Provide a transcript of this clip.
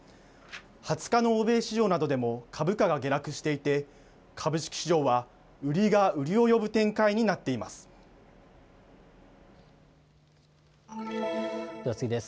２０日の欧米市場などでも株価が下落していて株式市場は売りが売りを呼ぶ展開になっています。